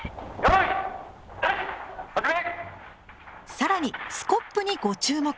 更にスコップにご注目。